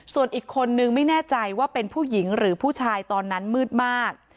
ส่วนอีกคนนึงไม่แน่ใจว่าเป็นผู้หญิงหรือผู้ชายตอนนั้นมืดมาก